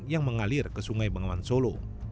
yang mengalir ke sungai bengawan solo